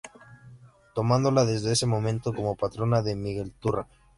Tomándola desde ese momento como patrona de Miguelturra.